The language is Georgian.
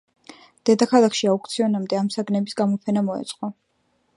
დედაქალაქში აუქციონამდე ამ საგნების გამოფენა მოეწყო.